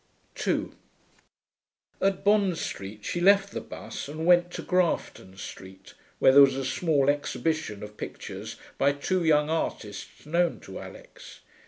2 At Bond Street she left the bus and went to Grafton Street, where there was a small exhibition of pictures by two young artists known to Alix.